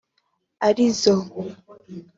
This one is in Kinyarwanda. ari zo